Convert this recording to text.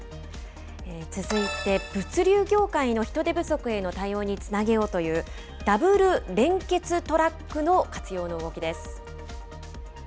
続いて物流業界の人手不足への対応につなげようという、ダブル連結トラックの活用の動きです。